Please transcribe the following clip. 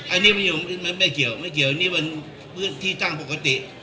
อันนี้ไม่เกี่ยวอันนี้เป็นพื้นที่ตั้งปกติ